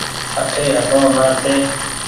اٺي هسڻو نآ ڇي ۔